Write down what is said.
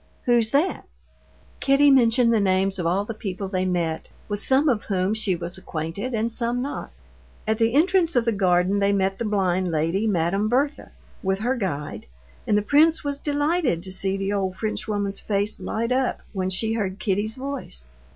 Who's that?" Kitty mentioned the names of all the people they met, with some of whom she was acquainted and some not. At the entrance of the garden they met the blind lady, Madame Berthe, with her guide, and the prince was delighted to see the old Frenchwoman's face light up when she heard Kitty's voice.